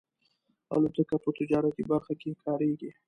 الوتکه په تجارتي برخه کې کارېږي.